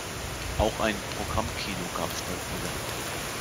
Auch ein Programmkino gab es bald wieder.